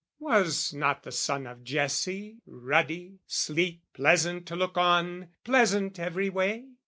Was not the son of Jesse ruddy, sleek, Pleasant to look on, pleasant every way?